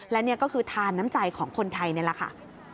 และนี่ก็คือทานน้ำใจของคนไทยนี่แหละค่ะ